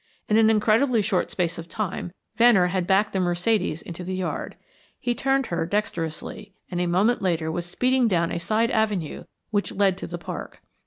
In an incredibly short space of time Venner had backed the Mercedes into the yard; he turned her dexterously, and a moment later was speeding down a side avenue which led to the Park.